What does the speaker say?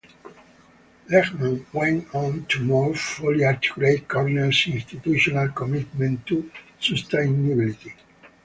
Lehman went on to more fully articulate Cornell's institutional commitment to sustainability.